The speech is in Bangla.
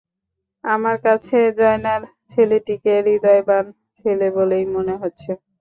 আমার কাছে জয়নাল ছেলেটিকে হৃদয়বান ছেলে বলেই মনে হচ্ছে।